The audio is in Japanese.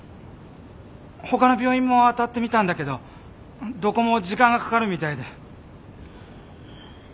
他の病院も当たってみたんだけどどこも時間がかかるみたいで。